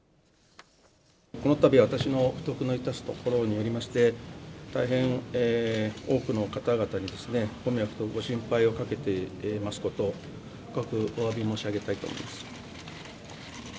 このたびは、私の不徳の致すところによりまして、大変多くの方々にご迷惑とご心配をかけていますこと、深くおわび申し上げたいと思います。